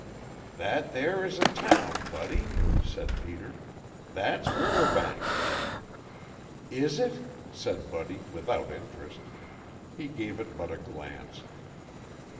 "That there is a town, Buddy," said Peter. "That's Riverbank." "Is it?" said Buddy, without interest. He gave it but a glance.